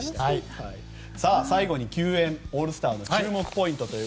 最後に球宴オールスターの注目ポイント